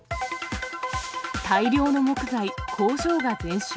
大量の木材、工場が全焼。